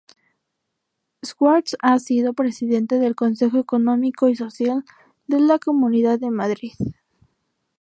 Schwartz ha sido presidente del Consejo Económico y Social de la Comunidad de Madrid.